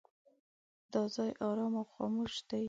دا ځای ارام او خاموش دی.